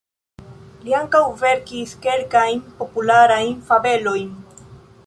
Li ankaŭ verkis kelkajn popularajn fabelojn.